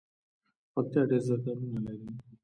پکتیا ډیر ځنګلونه لري